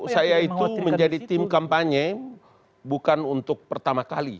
saya itu menjadi tim kampanye bukan untuk pertama kali